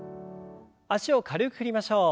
脚を軽く振りましょう。